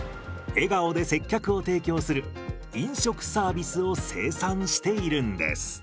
笑顔で接客を提供する飲食サービスを生産しているんです。